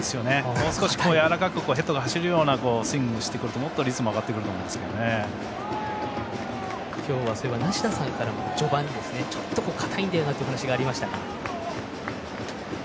もう少しやわらかくヘッドが変わるようなスイングをしてくれるともっとリズムが上がってくると梨田さんからも序盤に硬いんだよなというお話がありました。